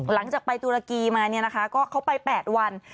หลังจากไปตุรกีมาก็เขาไป๘วัน